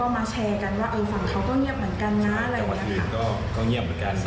มาร์เก็ตติ้งทำการตลาดในโซเชียลดูค่ะ